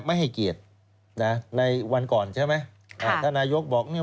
ไม่ให้เกียรตินะในวันก่อนใช่ไหมอ่าท่านนายกบอกเนี่ย